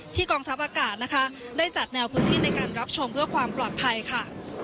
กองทัพอากาศนะคะได้จัดแนวพื้นที่ในการรับชมเพื่อความปลอดภัยค่ะ